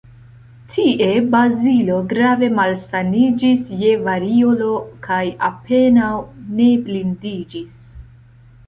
Tie Bazilo grave malsaniĝis je variolo kaj apenaŭ ne blindiĝis.